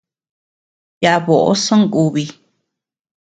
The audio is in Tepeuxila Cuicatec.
Yaʼa boʼo sonkubi.